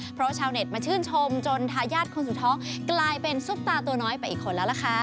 เพราะชาวเน็ตมาชื่นชมจนทายาทคนสุดท้องกลายเป็นซุปตาตัวน้อยไปอีกคนแล้วล่ะค่ะ